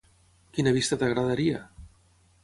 Quina vista t'agradaria?